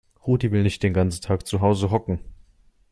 Rudi will nicht den ganzen Tag zu Hause hocken.